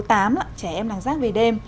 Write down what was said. trẻ em làng rác về đêm